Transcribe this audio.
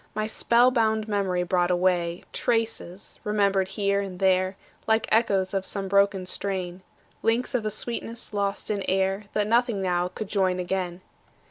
My spell bound memory brought away; Traces, remembered here and there, Like echoes of some broken strain; Links of a sweetness lost in air, That nothing now could join again.